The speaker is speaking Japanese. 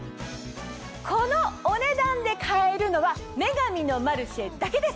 このお値段で買えるのは『女神のマルシェ』だけです。